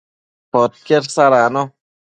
podquied sadacno